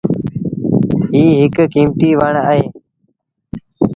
ايٚ هڪ ڪيمتيٚ وڻ اهي۔